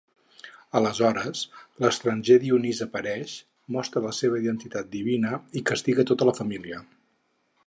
Aleshores, l'estranger Dionís apareix, mostra la seva identitat divina i castiga tota la família.